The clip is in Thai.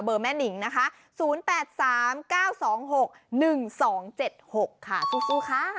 แม่นิงนะคะ๐๘๓๙๒๖๑๒๗๖ค่ะสู้ค่ะ